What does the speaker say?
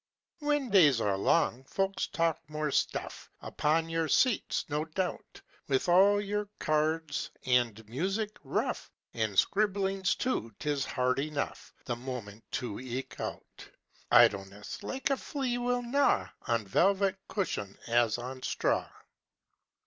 "When days are long, folks talk more stuff! Upon your seats, no doubt, With all your cards and music rough, And scribblings too, 'tis hard enough The moments to eke out. Idleness, like a flea will gnaw On velvet cushions, as on straw.